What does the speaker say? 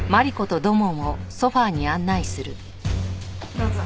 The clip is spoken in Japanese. どうぞ。